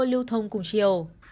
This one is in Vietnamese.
lưu thông cùng chiều